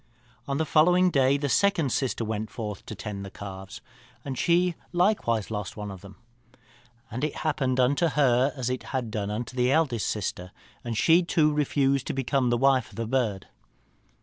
"On the following day the second sister went forth to tend the calves, and she likewise lost one of them. And it happened unto her as it had done unto the eldest sister, and she too refused to become the wife of the bird.